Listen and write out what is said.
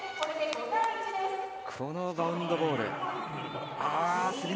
このバウンドボール。